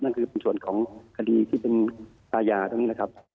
นั่นคือเป็นส่วนของคดีที่เป็นทายะตะงนี้